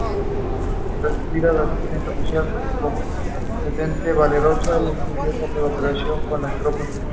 Recibió un agradecimiento oficial por ""su competente, valerosa y entusiasta cooperación"" con las tropas.